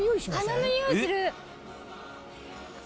花のにおいする！